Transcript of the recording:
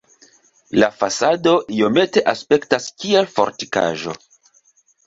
La fasado iomete aspektas kiel fortikaĵo.